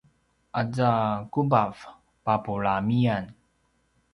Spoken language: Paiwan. aza kubav papulamian